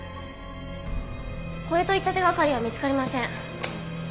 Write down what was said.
これといった手がかりは見つかりません。